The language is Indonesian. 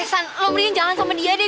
eh eh san lo mendingin jangan sama dia deh